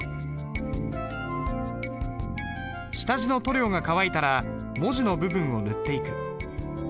下地の塗料が乾いたら文字の部分を塗っていく。